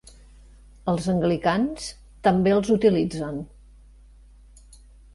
Els anglicans també els utilitzen.